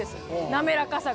滑らかさが。